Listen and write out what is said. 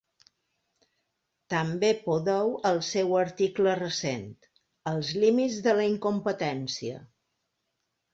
També podeu el seu article recent: ‘Els límits de la incompetència’